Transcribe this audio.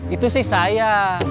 itu sih saya